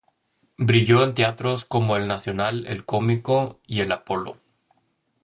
Brilló en teatros como El Nacional, El Cómico y el Apolo.